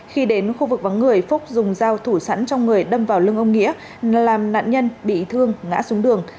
khi đến khu vực vắng người phúc dùng dao thủ sẵn trong người đâm vào lưng ông nghĩa làm nạn nhân bị thương ngã xuống đường